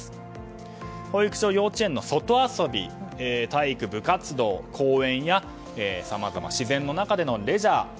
保育所、幼稚園の外遊び体育、部活動、公園やさまざま自然の中でのレジャー。